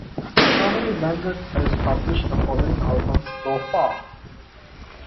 Sonny Landreth has published the following albums so far.